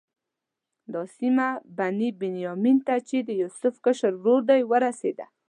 دا سیمه بني بنیامین ته چې د یوسف کشر ورور دی ورسېده.